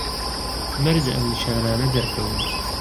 مەرجە ئەم نیشانانە دەرکەون